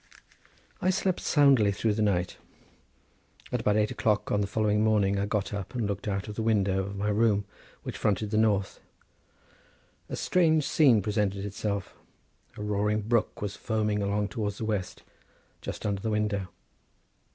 I slept soundly through the night. At about eight o'clock on the following morning I got up and looked out of the window of my room, which fronted the north. A strange scene presented itself: a roaring brook was foaming along towards the west, just under the window.